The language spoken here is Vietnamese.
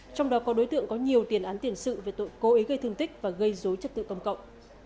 trong đó có đối tượng có nhiều tiền án tiền sự về tội cố ý gây thương tích và gây dối trật tự công cộng